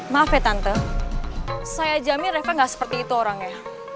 maaf ya tante saya jamin eva nggak seperti itu orangnya